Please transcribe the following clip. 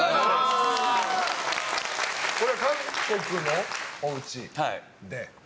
これは韓国のおうちで？